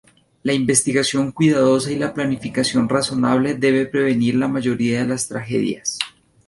La investigación cuidadosa y la planificación razonable debe prevenir la mayoría de las tragedias.